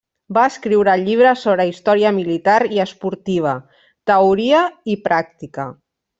Va escriure llibres sobre història militar i esportiva, teoria, i pràctica.